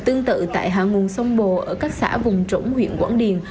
tương tự tại hàng nguồn sông bồ ở các xã vùng trổng huyện quảng điền